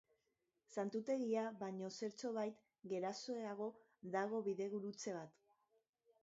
Santutegia baino zertxobait goraxeago dago bidegurutze bat.